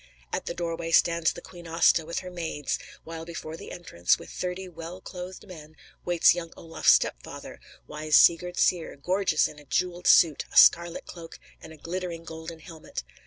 At the door way stands the Queen Aasta with her maidens, while before the entrance, with thirty "well clothed men," waits young Olafs stepfather, wise Sigurd Syr, gorgeous in a jewelled suit, a scarlet cloak, and a glittering golden helmet.